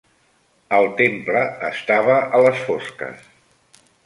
El temple estava a les fosques